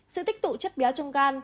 sự tích tụ chất béo trong gan